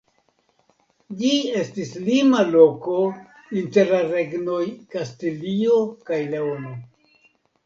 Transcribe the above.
Ĝi estis lima loko inter la regnoj Kastilio kaj Leono.